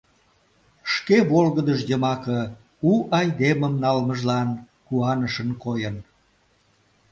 Шке волгыдыж йымаке у айдемым налмыжлан куанышын койын.